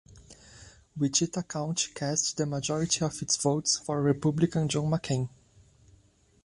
Wichita County cast the majority of its votes for Republican John McCain.